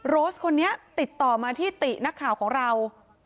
โรสคนนี้ติดต่อมาที่ตินักข่าวของเรา